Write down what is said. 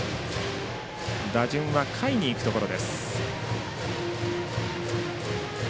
打順は、下位にいくところ。